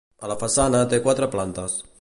La façana té quatre plantes.